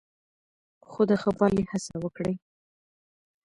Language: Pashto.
خو د ښه والي هڅه وکړئ.